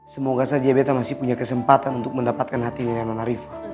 semoga saja betta masih punya kesempatan untuk mendapatkan hati lindung arif